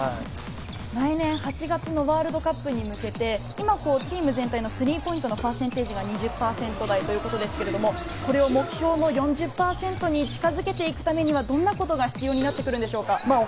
来年８月のワールドカップに向けて、今、チーム全体のスリーポイントのパーセンテージは２０％台ということですけれど、これを目標の４０％に近づけていくためには、どんなことが必要になってくるんでしょうか？